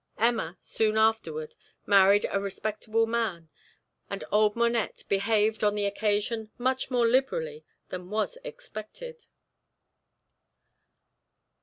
Emma, soon afterward, married a respectable man, and old Monette behaved on the occasion much more liberally than was expected.